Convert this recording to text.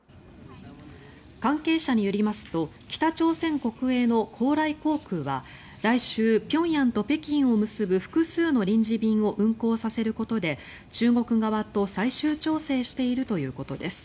関係者によりますと北朝鮮国営の高麗航空は来週、平壌と北京を結ぶ複数の臨時便を運航させることで、中国側と最終調整しているということです。